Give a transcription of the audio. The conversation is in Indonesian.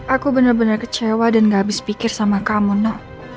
aku benar benar kecewa dan gak habis pikir sama kamu nak